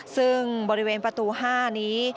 ซึ่งบริเวณประตู๕นี้